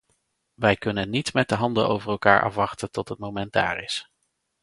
Wij kunnen niet met de handen over elkaar afwachten tot het moment daar is.